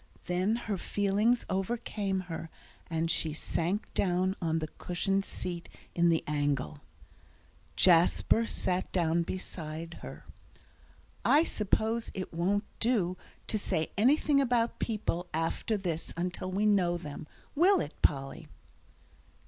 Then her feelings overcame her, and she sank down on the cushioned seat in the angle. Jasper sat down beside her. "I suppose it won't do to say anything about people after this until we know them. Will it, Polly?"